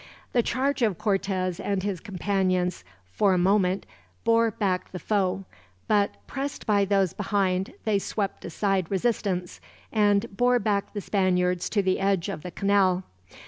The charge of Cortez and his companions for a moment bore back the foe; but, pressed by those behind, they swept aside resistance, and bore back the Spaniards to the edge of the canal.